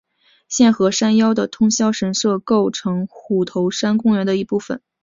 现和山腰的通霄神社构成虎头山公园一部分。